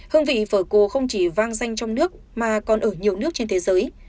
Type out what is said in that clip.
hương vị phởi cổ không chỉ vang danh trong nước mà còn ở nhiều nước trên thế giới